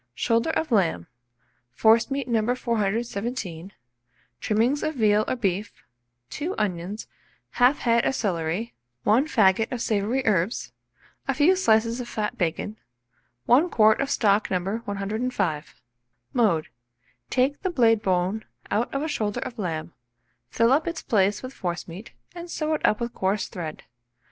Shoulder of lamb, forcemeat No. 417, trimmings of veal or beef, 2 onions, 1/2 head of celery, 1 faggot of savoury herbs, a few slices of fat bacon, 1 quart of stock No. 105. Mode. Take the blade bone out of a shoulder of lamb, fill up its place with forcemeat, and sew it up with coarse thread.